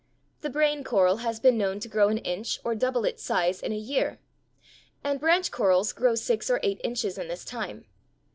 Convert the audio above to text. The brain coral has been known to grow an inch or double its size in a year, and branch corals grow six or eight inches in this time.